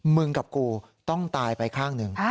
มึงกับกูต้องตายไปข้างหนึ่ง